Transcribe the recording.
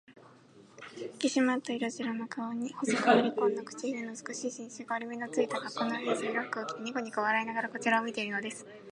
ひきしまった色白の顔に、細くかりこんだ口ひげの美しい紳士が、折り目のついた、かっこうのいい背広服を着て、にこにこ笑いながらこちらを見ているのです。